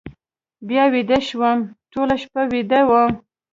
بیا ویده شوم، ټوله شپه ویده وم.